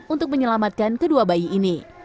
untuk menyelamatkan kedua bayi ini